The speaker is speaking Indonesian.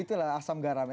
itulah asam garamnya